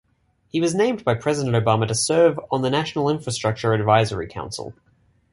He was named by President Obama to serve on the National Infrastructure Advisory Council.